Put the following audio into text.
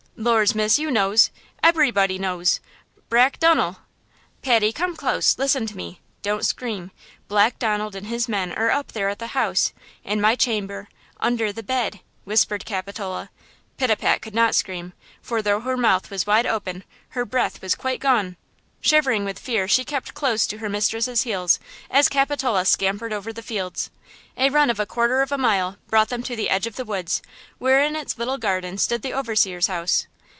"Lors, miss, you knows–eberybody knows–Brack Dunnel!" "Patty, come close–listen to me–don't scream–Black Donald and his men are up there at the house–in my chamber, under the bed," whispered Capitola. Pitapat could not scream, for though her mouth was wide open, her breath was quite gone. Shivering with fear, she kept close to her mistress's heels as Capitola scampered over the fields. A run of a quarter of a mile brought them to the edge of the woods, where in its little garden stood the overseer's house.